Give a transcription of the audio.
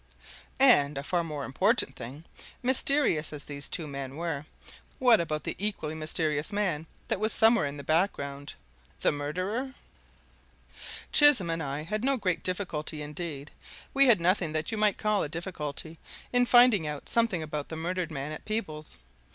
And a far more important thing, mysterious as these two men were, what about the equally mysterious man that was somewhere in the background the murderer? Chisholm and I had no great difficulty indeed, we had nothing that you might call a difficulty in finding out something about the murdered man at Peebles.